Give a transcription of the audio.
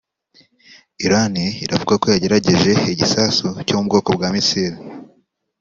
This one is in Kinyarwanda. Irani iravuga ko yagerageje igisasu cyo mu bwoko bwa misile